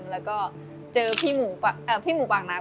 แล้วก็เจอพี่หมูปากน้ำ